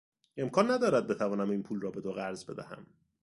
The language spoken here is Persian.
امکان ندارد بتوانم این پول را به تو قرض بدهم.